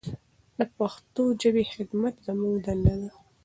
د پښتو ژبې خدمت زموږ دنده ده.